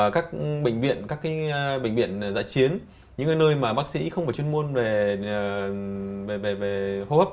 các bệnh viện các bệnh viện giã chiến những nơi mà bác sĩ không có chuyên môn về hô hấp